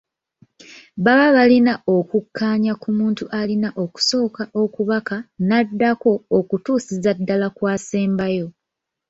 Baba balina okukkaanya ku muntu alina okusooka okubaka n’addako okutuusiza ddala ku asembayo.